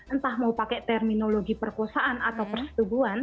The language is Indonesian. entah mau pakai terminologi perkosaan atau persetubuhan